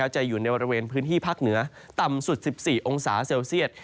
จะอยู่ในบริเวณพื้นที่ภาคเหนือต่ำสุด๑๔องศาเซลเซียต